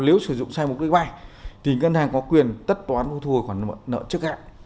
nếu sử dụng sai mục đích vay thì ngân hàng có quyền tất toán thu hồi khoản nợ trước hạn